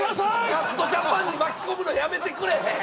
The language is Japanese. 「スカッとジャパン」に巻き込むのやめてくれへん？